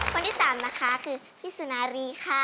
ครั้งที่๓คือพี่ซูนารีค่ะ